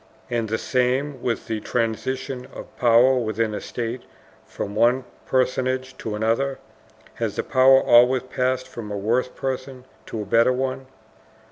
And the same with the transitions of power within a state from one personage to another: has the power always passed from a worse person to a better one?